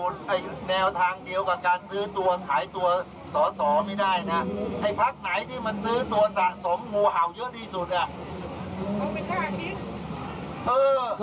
แนวทางเดียวกับการซื้อตัวขายตัวสอนไม่ได้นะ